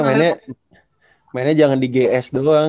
mainnya mainnya jangan di gs doang